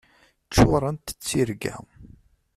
Ččurent d tirga.